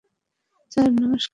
Sir, নমস্কার।